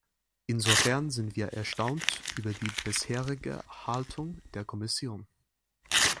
Insofern sind wir erstaunt über die bisherige Haltung der Kommission.